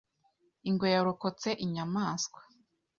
Ingwe yarokotse inyamaswa